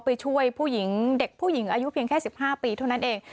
ไปช่วยผู้หญิงเด็กผู้หญิงอายุเพียงแค่๑๕ปีเท่านั้นเอง